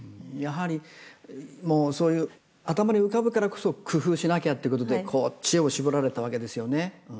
やはりもうそういう頭に浮かぶからこそ工夫しなきゃってことで知恵を絞られたわけですよね。